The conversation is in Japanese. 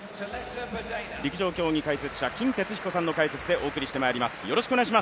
陸上競技解説者、金哲彦さんの解説でお送りしてまいります。